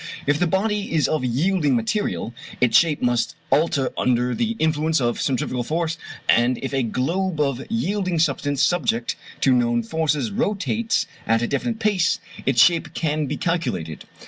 If the body is of yielding material, its shape must alter under the influence of centrifugal force; and if a globe of yielding substance subject to known forces rotates at a definite pace, its shape can be calculated.